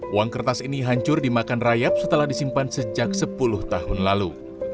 uang kertas ini hancur dimakan rayap setelah disimpan sejak sepuluh tahun lalu